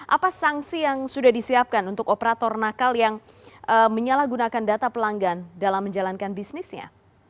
apa sanksi yang sudah disiapkan untuk operator nakal yang menyalahgunakan data pelanggan dalam menjalankan bisnisnya